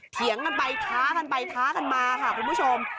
เถียงกันไปท้ากันไปท้ากันมาค่ะคุณผู้ชม